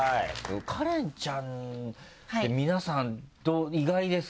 カレンちゃんって皆さん意外ですか？